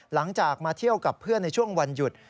หลังจากมาเที่ยวกับเพื่อนในช่วงวันหยุด